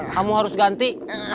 kamu harus ganti